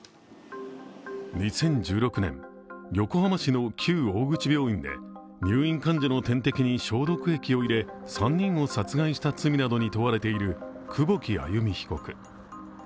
２０１６年、横浜市の旧大口病院で入院患者の点滴に消毒液を入れ３人を殺害した罪などに問われている久保木愛弓被告。